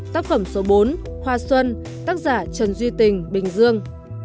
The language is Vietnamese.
tác phẩm số bốn hoa xuân tác giả trần duy tình bình dương